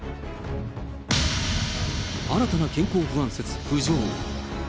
新たな健康不安説浮上。